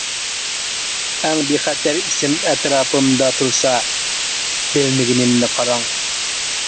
ئەڭ بىخەتەر ئىسىم ئەتراپىمدا تۇرسا بىلمىگىنىمنى قاراڭ!